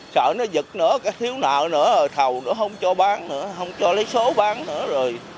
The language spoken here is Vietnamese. sợ nó giật nữa thiếu nợ nữa thầu nữa không cho bán nữa không cho lấy số bán nữa rồi